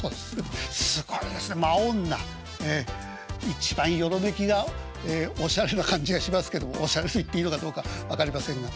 一番「よろめき」がおしゃれな感じがしますけどもおしゃれと言っていいのかどうか分かりませんが。